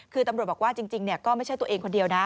คือตำรวจบอกว่าจริงก็ไม่ใช่ตัวเองคนเดียวนะ